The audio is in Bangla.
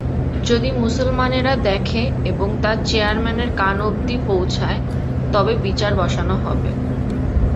যদি মুসলমানেরা দেখে এবং তা চেয়ারম্যানের কান অবধি পৌঁছায়, তবে বিচার বসানো হবে।